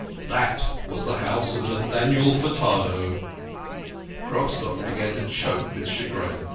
That was the house of Na thaniel Furtado." Grobstock began to choke with chagrin.